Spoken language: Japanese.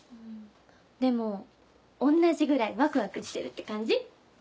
でも同じぐらいワクワクしてるって感じ？